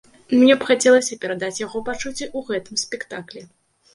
Мне б хацелася перадаць яго пачуцці ў гэтым спектаклі.